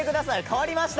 変わりました！